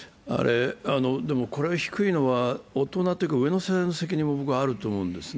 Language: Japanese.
でもこれが低いのは大人というか、上の世代の責任もあると僕は思うんですね。